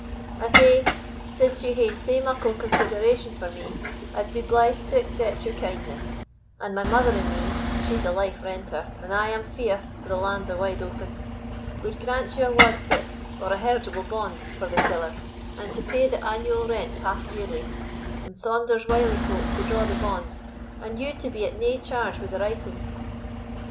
I say, since ye hae sae muckle consideration for me, I'se be blithe to accept your kindness; and my mother and me (she's a life renter, and I am fiar, o' the lands o' Wideopen) would grant you a wadset, or an heritable bond, for the siller, and to pay the annual rent half yearly; and Saunders Wyliecoat to draw the bond, and you to be at nae charge wi' the writings."